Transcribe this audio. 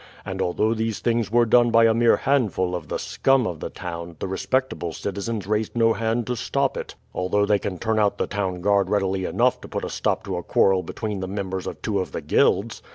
And although these things were done by a mere handful of the scum of the town the respectable citizens raised no hand to stop it, although they can turn out the town guard readily enough to put a stop to a quarrel between the members of two of the guilds.